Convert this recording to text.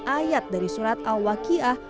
sembilan puluh enam ayat dari surat al waqi'ah